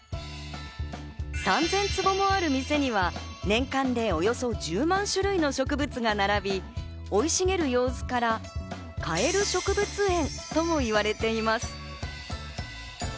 ３０００坪もある店には年間でおよそ１０万種類の植物が並び、生い茂る様子から買える植物園ともいわれています。